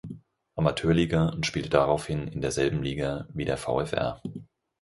Amateurliga und spielte daraufhin in derselben Liga wie der VfR.